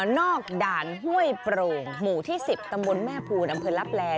ด่านห้วยโปร่งหมู่ที่๑๐ตำบลแม่ภูลอำเภอลับแล